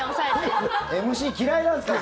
ＭＣ嫌いなんですから。